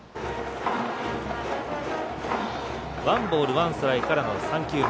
ワンボールワンストライクからの３球目。